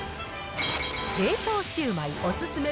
冷凍シュウマイお勧め